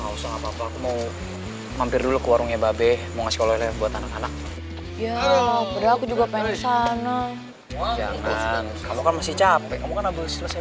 kalau buat anak anak ya aku juga pengen sana jangan kamu kan masih capek kamu kan abis selesai